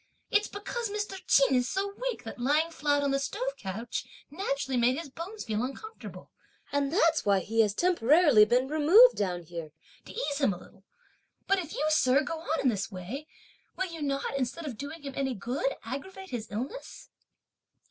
It's because Mr. Ch'in is so weak that lying flat on the stove couch naturally made his bones feel uncomfortable; and that's why he has temporarily been removed down here to ease him a little. But if you, sir, go on in this way, will you not, instead of doing him any good, aggravate his illness?"